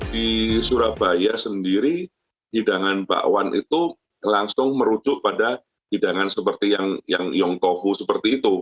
di surabaya sendiri hidangan bakwan itu langsung merujuk pada hidangan seperti yang yong tofu seperti itu